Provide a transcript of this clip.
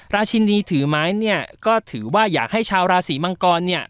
ชินดีถือไม้เนี่ยก็ถือว่าอยากให้ชาวราศีมังกรเนี่ย